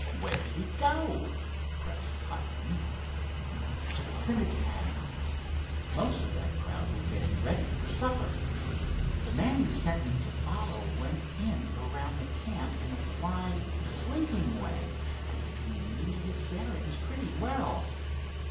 "Where did he go?" pressed Hiram. "To the Syndicate hangar. Most of that crowd were getting ready for supper. The man you sent me to follow went in around the camp in a sly, slinking way as if he knew his bearings pretty well."